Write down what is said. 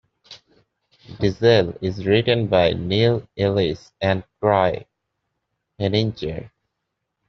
Deesel is written by Neil Ellis and Troy Heninger.